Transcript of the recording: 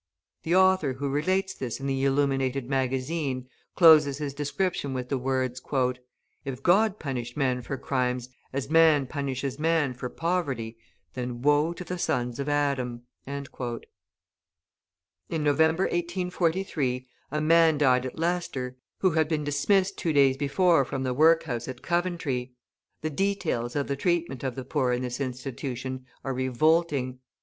The author who relates this in the Illuminated Magazine, closes his description with the words: "If God punished men for crimes as man punishes man for poverty, then woe to the sons of Adam!" In November, 1843, a man died at Leicester, who had been dismissed two days before from the workhouse at Coventry. The details of the treatment of the poor in this institution are revolting.